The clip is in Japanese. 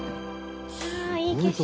ああいい景色。